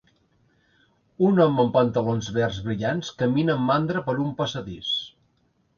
Un home amb pantalons verds brillants camina amb mandra per un passadís.